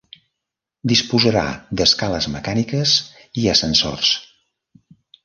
Disposarà d'escales mecàniques i ascensors.